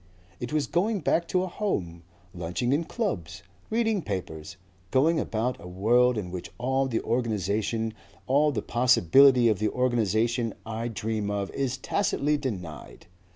It was going back to a home, lunching in clubs, reading papers, going about a world in which all the organization, all the possibility of the organization I dream of is tacitly denied.